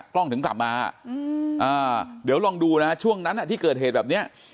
กล้องถึงกลับมาเดี๋ยวลองดูนะช่วงนั้นที่เกิดเหตุแบบนี้